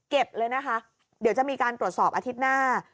เลยนะคะเดี๋ยวจะมีการตรวจสอบอาทิตย์หน้า